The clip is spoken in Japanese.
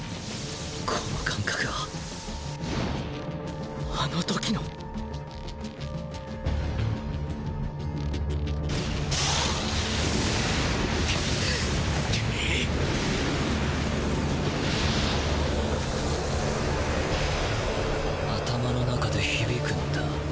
この感覚はあの時の頭の中で響くんだ。